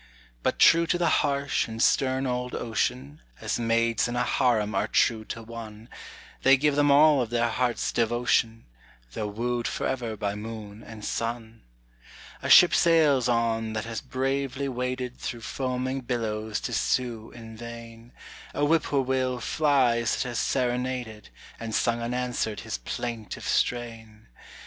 But true to the harsh and stern old ocean, As maids in a harem are true to one, They give him all of their hearts' devotion, Though wooed forever by moon and sun. A ship sails on that has bravely waded Through foaming billows to sue in vain; A whip poor will flies that has serenaded And sung unanswered his plaintive strain.